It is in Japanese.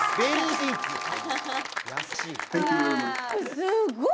すごい。